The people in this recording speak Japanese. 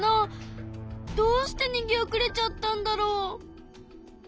どうしてにげおくれちゃったんだろう？